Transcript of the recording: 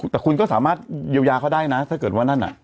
แต่คุณก็สามารถเยียวยาเขาได้นะถ้าเกิดว่านั่นน่ะ